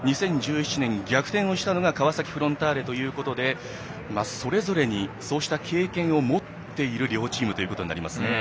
２０１７年に逆転したのが川崎フロンターレということでそれぞれに、そうした経験を持っている両チームとなりますね。